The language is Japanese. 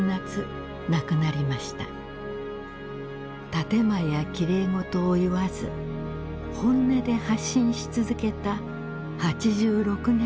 建て前やきれい事を言わず本音で発信し続けた８６年の生涯でした。